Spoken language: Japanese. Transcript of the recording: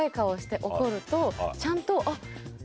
ちゃんと。